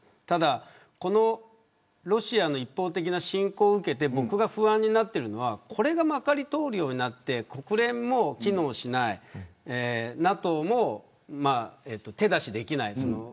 ただロシアの一方的な侵攻を受けて僕が不安になっているのはこれがまかり通るようになり国連も機能しない、ＮＡＴＯも手出しできない。